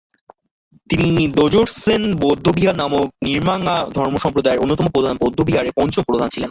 তিনি র্দ্জোগ্স-ছেন বৌদ্ধবিহার নামক র্ন্যিং-মা ধর্মসম্প্রদায়ের অন্যতম প্রধান বৌদ্ধবিহারের পঞ্চম প্রধান ছিলেন।